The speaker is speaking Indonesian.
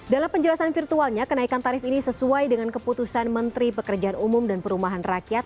dalam penjelasan virtualnya kenaikan tarif ini sesuai dengan keputusan menteri pekerjaan umum dan perumahan rakyat